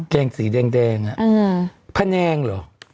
แกงสีแดงพะแนงเหรอ